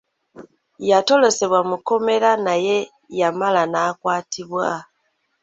Yatolosebwa mu kkomera naye yamala n'akwatibwa.